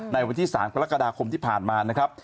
ในวันที่๓กรกฎาคมที่ผ่านมานะครับ